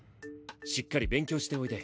しっかり勉強しておいで。